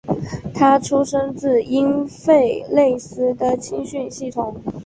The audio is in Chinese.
他出身自因弗内斯的青训系统。